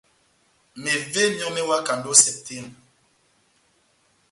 Mevé myɔ́ mewakandi ó Sepitemba.